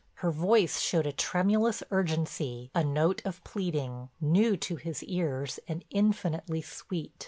Her voice showed a tremulous urgency, a note of pleading, new to his ears and infinitely sweet.